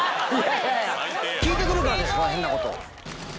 聞いてくるからでしょ、変なこと。